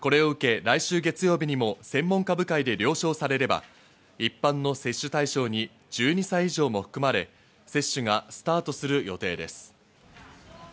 これを受け、来週月曜日にも専門家部会で了承されれば、一般の接種対象に１２歳以上も含まれ、接種がスタートする予定です。